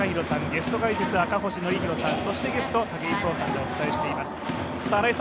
ゲスト解説・赤星憲広さん、そしてゲスト・武井壮さんでお伝えしています。